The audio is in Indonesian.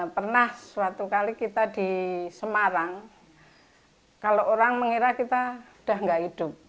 pernah suatu kali kita di semarang kalau orang mengira kita sudah tidak hidup